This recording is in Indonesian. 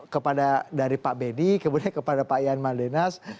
kepada dari pak bedi kemudian kepada pak ian maldenas